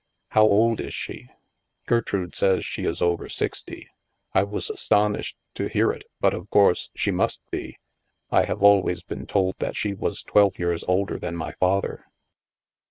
How old IS she ?" Gertrude says she is over sixty. I was aston ished to hear it, but of course, she must be. I have always been told that she was twelve years older than my father."